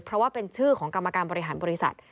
เพราะว่าเป็นชื่อของกรรมการบริหารบริษัท